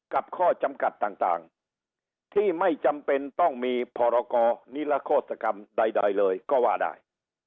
ข้อจำกัดต่างที่ไม่จำเป็นต้องมีพรกรนิรโฆษกรรมใดเลยก็ว่าได้